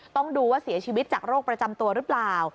ต้องดูว่าเสียชีวิตจากโรคประจำตัวหรือเปล่า